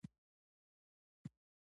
نوره هېڅ ګټه نه ورته کوي.